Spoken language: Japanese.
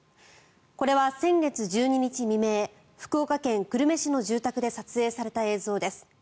これは先月１２日未明福岡県久留米市の住宅で撮影された映像です。